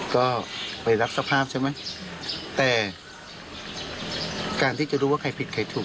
ก็ไปรับสภาพใช่ไหมแต่การที่จะรู้ว่าใครผิดใครถูก